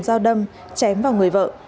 giang đã vào nhà dùng dao đoàn chém vào người vợ